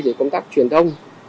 về công tác truyền thông